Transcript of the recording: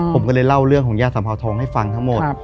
ผมก็เลยเล่าเรื่องของย่าสัมภาวทองให้ฟังทั้งหมด